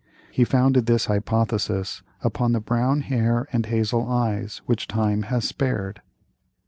He founded this hypothesis upon the brown hair and hazel eyes which time has spared.